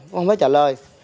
không có trả lời